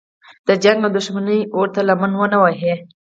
د جنګ او دښمنۍ اور ته لمن ونه وهي.